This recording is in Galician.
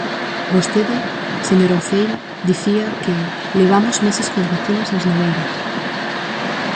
Vostede, señora Uceira, dicía que ¡levamos meses coas vacinas nas neveiras!